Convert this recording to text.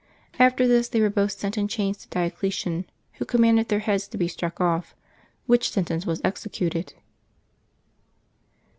After this they were both sent in chains to Diocletian, who com manded their heads to be struck off, which sentence was executed.